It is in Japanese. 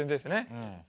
うん。